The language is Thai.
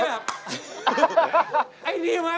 ฟงเหมือนพี่ไหมที่แบบว่า